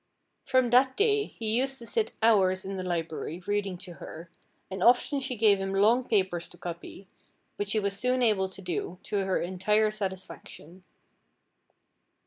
From that day he used to sit hours in the library reading to her, and often she gave him long papers to copy, which he was soon able to do, to her entire satisfaction.